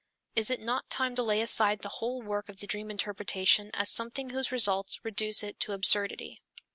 Is it not time to lay aside the whole work of the dream interpretation as something whose results reduce it to absurdity?